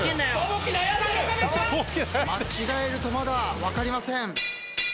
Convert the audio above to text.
間違えるとまだ分かりません。